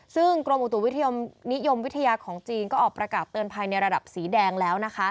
ซึ่งกรมอุตุนิยมวิทยาของจีนก็ออกประกาศเตือนภัยในระดับสีแดงแล้วนะคะ